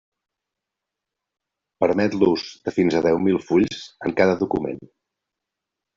Permet l'ús de fins a deu mil fulls en cada document.